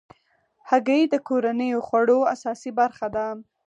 هګۍ د کورنیو خوړو اساسي برخه ده.